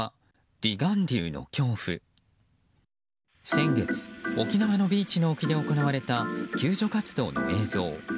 先月、沖縄のビーチの沖で行われた救助活動の映像。